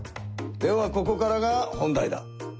ではここからが本題だ。